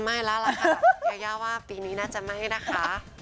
ไม่แล้วล่ะค่ะยาย่าว่าปีนี้น่าจะไม่นะคะ